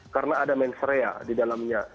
karena ada mensreya di dalamnya